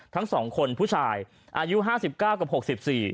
ทั้ง๒คนผู้ชายอายุ๕๙กับ๖๔